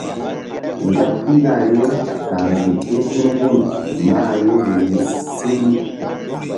Nzak pihna ye ka̧h nzuk kétul hul mah ye mini tul.